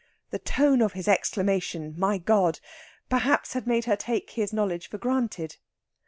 The tone of his exclamation, "My God!" perhaps had made her take his knowledge for granted.